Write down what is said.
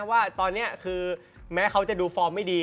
ว่าตอนนี้คือแม้เขาจะดูฟอร์มไม่ดี